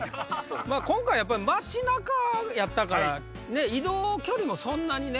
今回街中やったから移動距離もそんなにね。